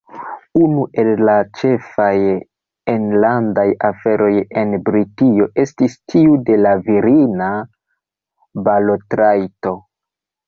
Unu el la ĉefaj enlandaj aferoj en Britio estis tiu de la virina balotrajto.